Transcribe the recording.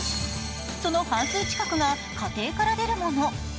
その半数近くが家庭から出るもの。